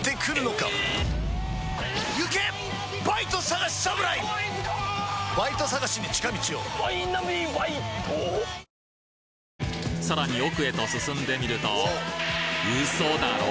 サントリーさらに奥へと進んでみるとウソだろ？